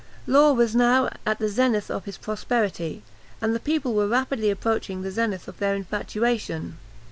Law was now at the zenith of his prosperity, and the people were rapidly approaching the zenith of their infatuation.